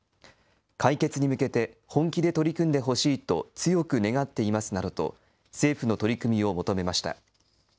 解決に向けて、本気で取り組んでほしいと強く願っていますなどと政府の取り組みを求めました。